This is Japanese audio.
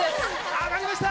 上がりました！